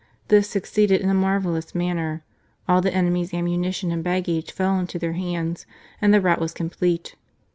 This succeeded in a marvellous manner : all the enemy's ammunition and baggage fell into their hands, and the rout was complete.